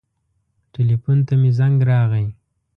ټیلیفون ته مې زنګ راغی.